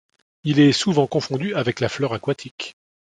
Il est souvent confondu avec la fleur aquatique.